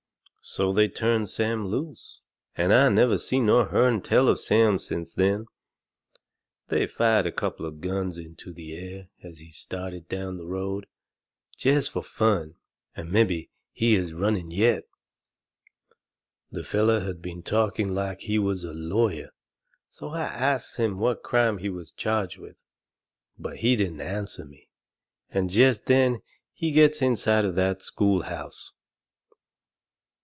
So they turned Sam loose. I never seen nor hearn tell of Sam since then. They fired a couple of guns into the air as he started down the road, jest fur fun, and mebby he is running yet. The feller had been talking like he was a lawyer, so I asts him what crime we was charged with. But he didn't answer me. And jest then we gets in sight of that schoolhouse.